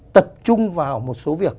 tập trung vào một số việc